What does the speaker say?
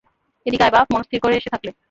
এদিকে আয় বাপ, মনস্থির করে এসে থাকলে।